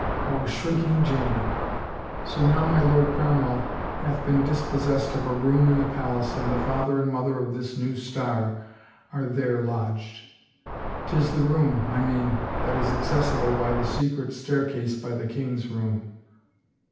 ... Our shrinking Jane! So now my lord Cromwell hath been dispossessed of a room in the palace and the father and mother of this new star are there lodged. 'Tis the room, I mean, that is accessible by the secret staircase by the king's room.